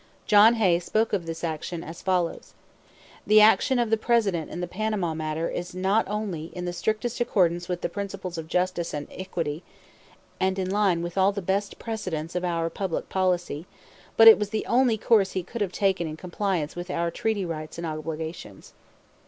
John Hay spoke of this action as follows: "The action of the President in the Panama matter is not only in the strictest accordance with the principles of justice and equity, and in line with all the best precedents of our public policy, but it was the only course he could have taken in compliance with our treaty rights and obligations."